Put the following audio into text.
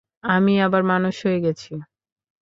আমি আবার মানুষ হয়ে গেছি।